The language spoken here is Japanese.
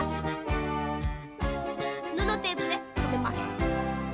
ぬのテープでとめます。